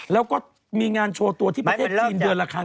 แล้วก็มีงานโชว์ตัวที่ประเทศจีนเดือนละครั้ง